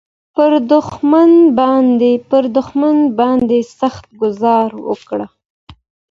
پر دښمن باندې سخت ګوزار وکړه.